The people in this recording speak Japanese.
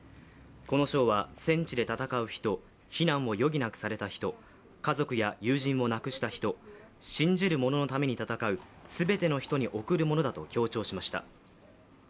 この賞は戦地で戦う人、避難を余儀なくされた人家族や友人を亡くした人信じるもののために戦う全ての人に贈るものだと強調しました。